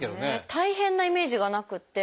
大変なイメージがなくて。